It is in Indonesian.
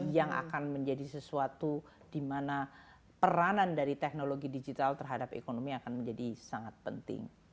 yang akan menjadi sesuatu di mana peranan dari teknologi digital terhadap ekonomi akan menjadi sangat penting